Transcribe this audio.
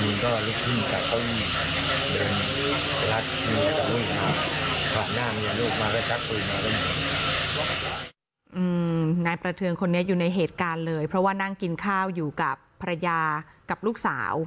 นายประเทืองคนนี้อยู่ในเหตุการณ์เลยเพราะว่านั่งกินข้าวอยู่กับภรรยากับลูกสาว